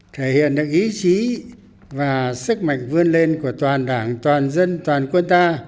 thể hiện được ý chí và sức mạnh vươn lên của toàn đảng toàn dân toàn quân ta